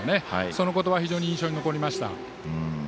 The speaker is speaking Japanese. その言葉、非常に印象に残りました。